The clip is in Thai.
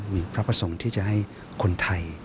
มีพระประสงค์ที่จะให้คนไทย